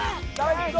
いくぞ！